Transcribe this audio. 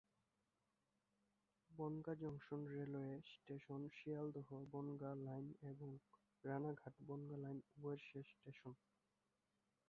Bongaon junction railway station Sealdah Bangaon line এবং Ranaghat Bangaon line উভয়ের শেষ স্টেশন।